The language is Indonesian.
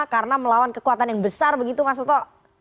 karena melawan kekuatan yang besar begitu mas toto